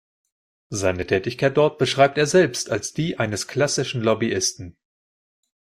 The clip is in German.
Seine Tätigkeit dort beschreibt er selbst als die eines klassischen Lobbyisten.